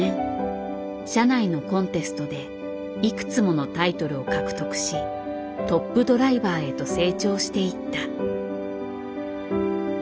社内のコンテストでいくつものタイトルを獲得しトップドライバーへと成長していった。